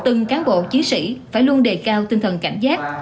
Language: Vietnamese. từng cán bộ chiến sĩ phải luôn đề cao tinh thần cảnh giác